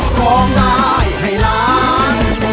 ร้องได้ให้ล้าน